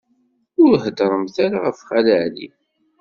Ur heddṛemt ara ɣef Xali Ɛli.